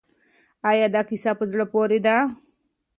آیا دا کیسه په زړه پورې ده؟